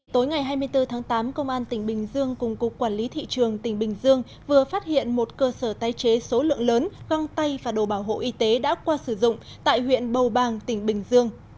tối ngày hai mươi bốn tháng tám công an tỉnh bình dương cùng cục quản lý thị trường tỉnh bình dương vừa phát hiện một cơ sở tái chế số lượng lớn găng tay và đồ bảo hộ y tế đã qua sử dụng tại huyện bầu bàng tỉnh bình dương